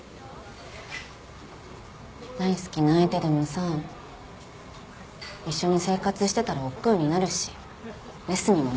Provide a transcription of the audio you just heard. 大好きな相手でもさ一緒に生活してたらおっくうになるしレスにもなる。